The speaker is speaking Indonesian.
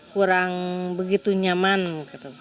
kurang begitu nyaman gitu